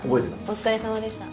お疲れさまでした。